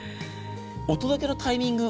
お届けのタイミング